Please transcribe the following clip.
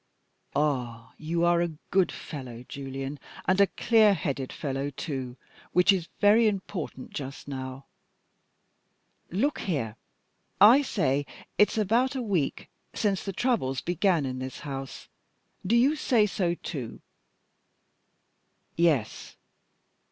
"Ah! you are a good fellow, Julian and a clear headed fellow too, which is very important just now. Look here! I say it's about a week since the troubles began in this house. Do you say so too?" "Yes."